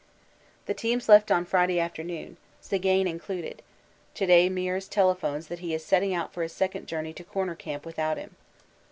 The teams left on Friday afternoon, Czigane included; to day Meares telephones that he is setting out for his second journey to Corner Camp without him.